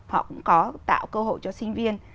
họ cũng có tạo cơ hội cho sinh viên